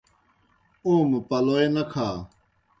اوموْ پلوئے نہ کھا۔